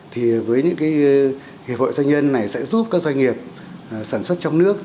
thì với những hiệp hội doanh nhân này sẽ giúp các doanh nghiệp sản xuất trong nước